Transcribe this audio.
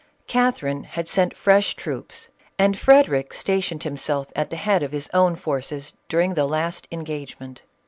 Catherine had sent fresh troops, and Frederic sta tioned himself at the head of his own forces daring the last engagement.